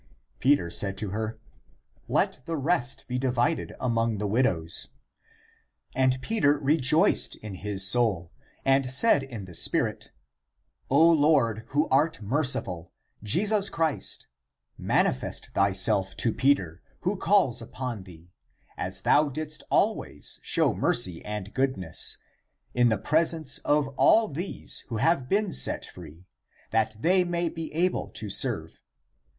Peter said to her, " Let the rest be divided among the widows." And Peter rejoiced in his soul, and said in the spirit, *' O Lord, who art merciful, Jesus Christ, manifest thyself to thy Peter, who calls upon thee, as thou didst always show mercy and goodness, in the pres ence of all these who have been set free, that they may be able to serve.